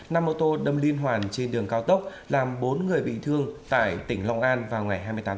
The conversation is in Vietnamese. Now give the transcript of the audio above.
tại tỉnh long an vào ngày hai mươi tám tháng chín